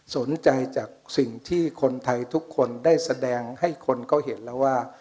สนใจจากสิ่งที่คนไทยทุกคนได้แสดงให้คนเขาเห็นแล้วว่า